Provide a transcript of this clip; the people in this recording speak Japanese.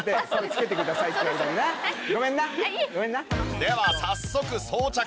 では早速装着。